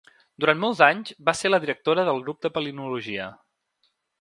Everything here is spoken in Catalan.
Durant molts anys va ser la directora del grup de palinologia.